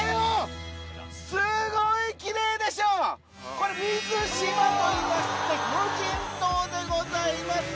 これ水島といいまして無人島でございます。